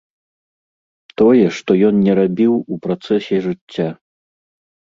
Тое, што ён не рабіў у працэсе жыцця.